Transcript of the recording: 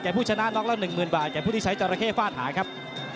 แต่ผู้ชนะน็อคแล้ว๑๐๐๐๐บาทแต่ผู้ที่ใช้จาระเข้ฝ้าถ่ายครับ